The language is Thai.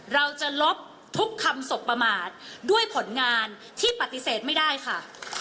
เราจะลบทุกคำสบประมาทด้วยผลงานที่ปฏิเสธไม่ได้ค่ะ